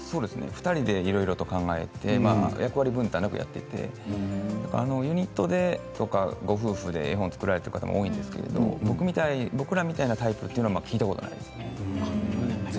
２人でいろいろと考えて役割分担なくやっていてユニットでとかご夫婦で絵本を作られている方は多いんですが、僕らみたいなタイプは聞いたことがないですね。